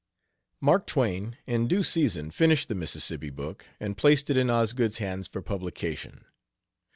Mark Twain, in due season, finished the Mississippi book and placed it in Osgood's hands for publication.